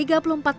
nah ada f app